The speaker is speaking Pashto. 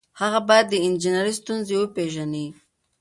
هغه باید د انجنیری ستونزې وپيژني.